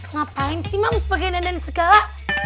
ngapain sih moms pakai dandan segala